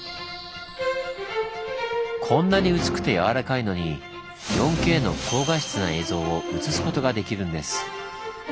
こんなに薄くてやわらかいのに４Ｋの高画質な映像を映すことができるんです。